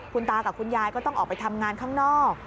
คุณตากับคุณยายก็ต้องออกไปทำงานข้างนอก